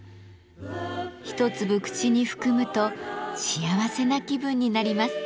一粒口に含むと幸せな気分になります。